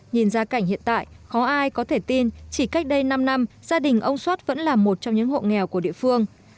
nhìn ra cảnh hiện tại khó ai có thể tin chỉ cách đây năm năm gia đình ông soát vẫn là một trong những hộ nghèo của địa phương